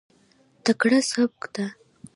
تکړه سبکه ده.